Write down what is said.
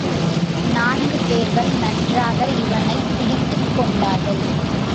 நான்கு பேர்கள் நன்றாக இவனைப் பிடித்துக் கொண்டார்கள்.